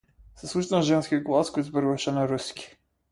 Се слушна женски глас кој зборуваше на руски.